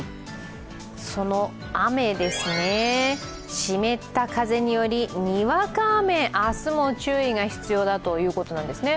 その雨ですね、湿った風によりにわか雨、明日も注意が必要だということなんですね。